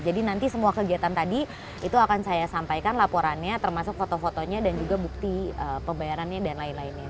jadi nanti semua kegiatan tadi itu akan saya sampaikan laporannya termasuk foto fotonya dan juga bukti pembayarannya dan lain lainnya